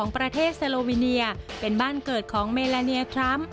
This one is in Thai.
เป็นบ้านเกิดของเมลานียาทรัมป์